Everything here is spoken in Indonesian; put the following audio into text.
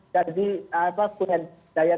jadi apa punya daya